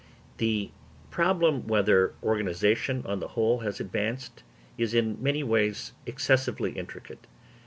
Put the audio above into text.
The problem whether organisation on the whole has advanced is in many ways excessively intricate.